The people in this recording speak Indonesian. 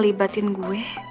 dan dia malah ngundang aku ya